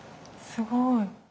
すごい。